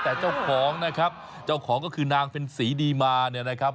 แต่เจ้าของนะครับเจ้าของก็คือนางเป็นศรีดีมาเนี่ยนะครับ